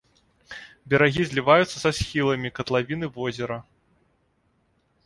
Берагі зліваюцца са схіламі катлавіны возера.